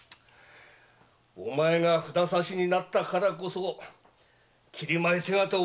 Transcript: お前が札差になったからこそ切米手形を売りさばける。